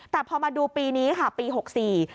แต่พอมาดูปีนี้ค่ะปี๖๔